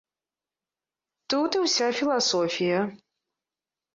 Тут і ўся філасофія.